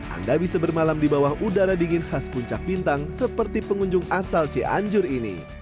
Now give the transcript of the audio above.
anda bisa bermalam di bawah udara dingin khas puncak bintang seperti pengunjung asal cianjur ini